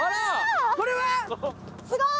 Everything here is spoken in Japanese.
これは⁉すごい！